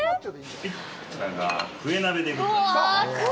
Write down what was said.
こちらがクエ鍋でございます。